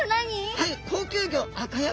はい。